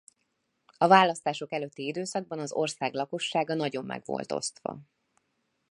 A választások előtti időszakban az ország lakossága nagyon meg volt osztva.